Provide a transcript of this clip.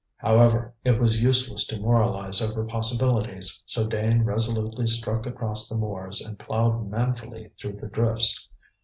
However, it was useless to moralize over possibilities, so Dane resolutely struck across the moors, and ploughed manfully through the drifts.